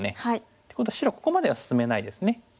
っていうことは白はここまでは進めないですね。